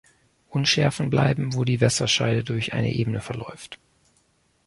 Unschärfen bleiben, wo die Wasserscheide durch eine Ebene verläuft.